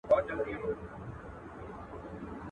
د اوبو خروار دئ په گوتو ښورېږي.